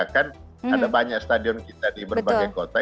kan ada banyak stadion kita di berbagai kota